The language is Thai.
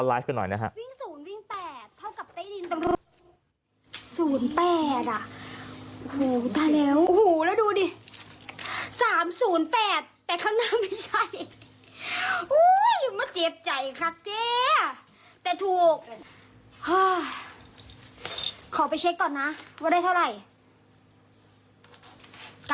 ฮ่าขอไปเช็คก่อนนะว่าได้เท่าไหร่